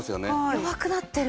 弱くなってる。